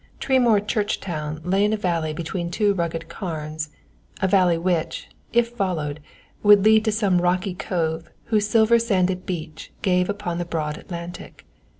Tremoor Churchtown lay in a valley between two rugged carns, a valley which, if followed, would lead to some rocky cove whose silver sanded beach gave upon the broad Atlantic.